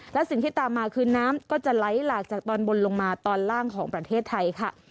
และสิ่งที่ตามมาคือน้ำก็จะไหลหลากจากตอนบนลงมาตอนล่างของประเทศไทยค่ะ